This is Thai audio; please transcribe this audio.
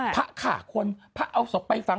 พระข่าคนพระเอาศกไปฟัง